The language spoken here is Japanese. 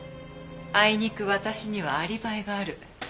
あいにく私にはアリバイがある。